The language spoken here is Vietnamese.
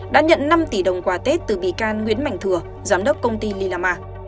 đã nhận năm tỷ đồng quả tết từ bị can nguyễn mạnh thừa giám đốc công ty lillama